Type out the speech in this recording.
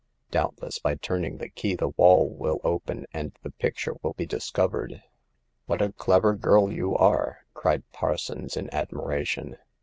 Doubtless, by turning the key the wall will open, and the picture will be discovered." " What a clever girl you are !" cried Parsons, in admiration.